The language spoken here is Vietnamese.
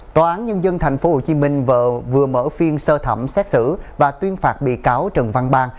tòa án nhân dân tp hcm vừa mở phiên sơ thẩm xét xử và tuyên phạt bị cáo trần văn bang